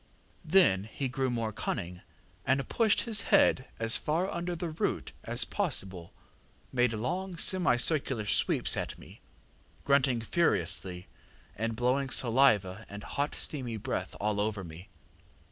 Then he grew more cunning, and pushed his head as far under the root as possible, made long semicircular sweeps at me, grunting furiously, and blowing saliva and hot steamy breath all over me.